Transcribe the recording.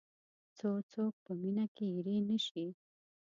څو څوک په مینه کې اېرې نه شي.